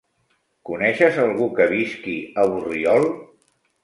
Coneixes algú que visqui a Borriol?